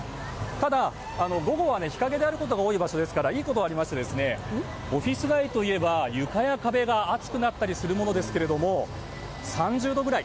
ただ、午後は日陰であることが多い場所ですからいいところがありましてオフィス街といえば床や壁が熱くなったりするものですが３０度ぐらい。